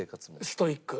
ストイック。